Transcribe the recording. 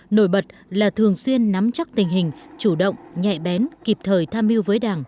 nổi bật là thường xuyên nắm chắc tình hình chủ động nhẹ bén kịp thời tham mưu với đảng